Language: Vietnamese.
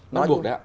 bắt buộc đấy ạ